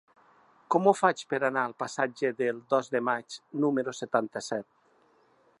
Com ho faig per anar al passatge del Dos de Maig número setanta-set?